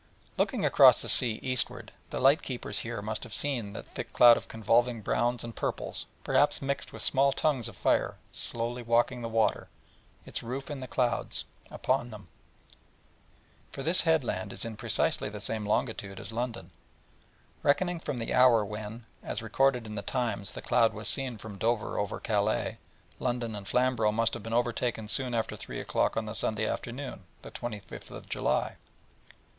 Looking across the sea eastward, the light keepers here must have seen that thick cloud of convolving browns and purples, perhaps mixed with small tongues of fire, slowly walking the water, its roof in the clouds, upon them: for this headland is in precisely the same longitude as London; and, reckoning from the hour when, as recorded in the Times, the cloud was seen from Dover over Calais, London and Flambro' must have been overtaken soon after three o'clock on the Sunday afternoon, the 25th July.